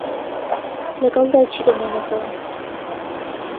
لەگەڵ دایکی دەمێنێتەوە.